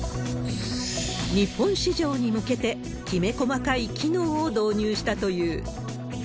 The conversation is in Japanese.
日本市場に向けてきめ細かい機能を導入したという。